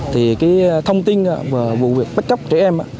thì cái thông tin về vụ việc bắt cóc trẻ em á